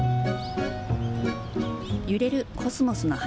揺れるコスモスの花。